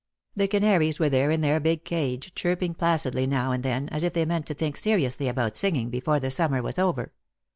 The canaries were there in their big cage, chirping placidly now and then, as if they meant to think seriously about singing before the summer was over.